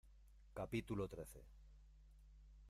capítulo trece.